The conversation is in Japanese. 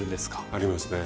ありますね。